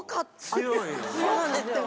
そうなんですよ。